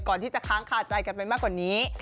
ก่อนที่จะค้างขาดใจกันไปมากกว่านี้